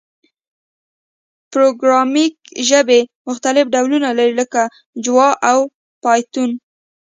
پروګرامینګ ژبي مختلف ډولونه لري، لکه جاوا او پایتون.